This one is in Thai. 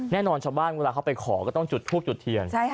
แน่นอนชาวบ้านเวลาเขาไปขอก็ต้องจุดทูบจุดเทียน